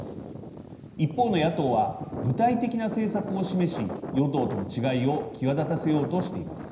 一方の野党は具体的な政策を示し与党との違いを際立たせようとしています。